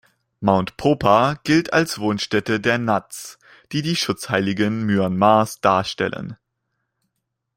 Mount Popa gilt als Wohnstätte der Nats, die die Schutzheiligen Myanmars darstellen.